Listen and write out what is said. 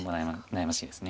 悩ましいです。